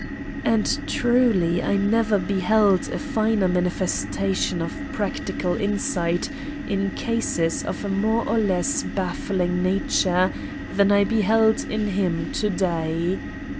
"And truly I never beheld a finer manifestation of practical insight in cases of a more or less baffling nature than I beheld in him to day.